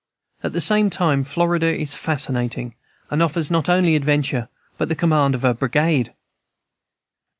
At the same time Florida is fascinating, and offers not only adventure, but the command of a brigade.